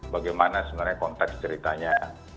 bagaimana sebenarnya konteks ceritanya